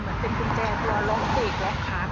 เหมือนเป็นกุญแจตัวล้อเตรียมติดล้อขาด